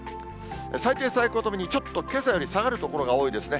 最低、最高ともにちょっとけさより下がる所が多いですね。